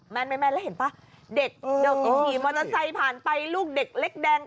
แม่นแล้วเห็นป่ะเด็กที่ขี่มอเตอร์ไซค์ผ่านไปลูกเด็กเล็กแดง